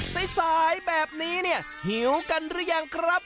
สายแบบนี้เนี่ยหิวกันหรือยังครับ